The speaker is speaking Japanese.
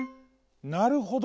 なるほど。